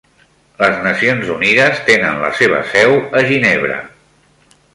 Les Nacions Unides tenen la seva seu a Ginebra.